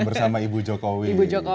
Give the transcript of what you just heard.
bersama ibu jokowi